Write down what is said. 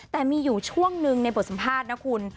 แต่มีอยู่ช่วงหนึ่งในบทสัมภาษณ์นะคุณ